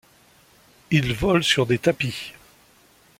Ils volent sur des tapis.